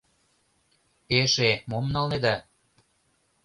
— Эше мом налнеда?